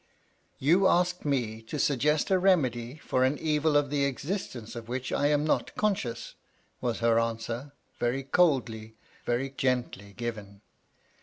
" You ask me to suggest a remedy for an evil of the existence of which I am not conscious," was her answer — very coldly, very gently given.